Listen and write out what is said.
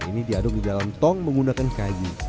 ini diaduk di dalam tong menggunakan kayu